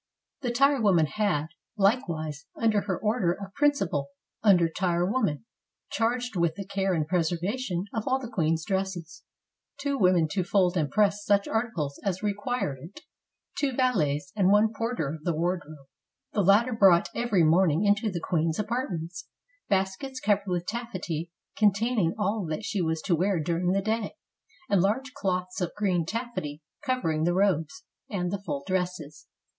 The tire woman had, likewise, under her order a prin cipal under tire woman, charged with the care and pres ervation of all the queen's dresses: two women to fold and press such articles as required it; two valets, and one porter of the wardrobe. The latter brought every morning into the queen's apartments, baskets covered with taffety, containing all that she was to wear during the day, and large cloths of green taffety covering the robes and the full dresses.